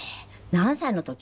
何歳の時？